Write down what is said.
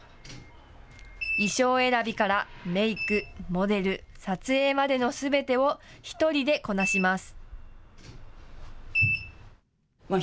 衣装選びからメーク、モデル、撮影までのすべてを１人でこなします。